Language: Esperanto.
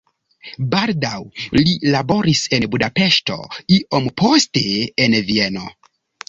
Baldaŭ li laboris en Budapeŝto, iom poste en Vieno.